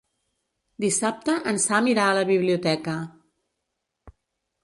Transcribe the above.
Dissabte en Sam irà a la biblioteca.